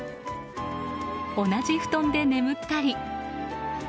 同じ布団で眠ったり。